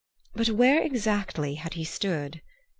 But where exactly had he stood?